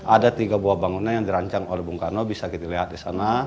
ada tiga buah bangunan yang dirancang oleh bung karno bisa kita lihat di sana